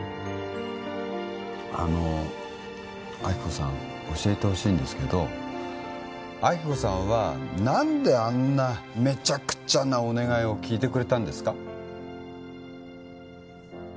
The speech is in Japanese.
あの亜希子さん教えてほしいんですけど亜希子さんは何であんなメチャクチャなお願いを聞いてくれたんですか？